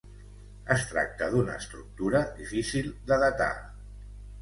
Es tracta d'una estructura difícil de datar.